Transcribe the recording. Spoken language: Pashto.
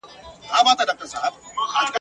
پاک خواړه روغتیا ښه کوي.